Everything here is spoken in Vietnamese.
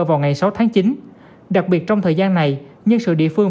vào ngày sáu tháng chín đặc biệt trong thời gian này nhân sự địa phương